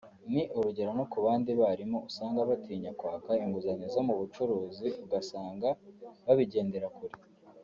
ni urugero no ku bandi barimu usanga batinya kwaka inguzanyo zo mu bucuruzi ugasanga babigendera kure